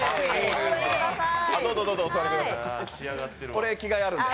俺、着替えあるんで。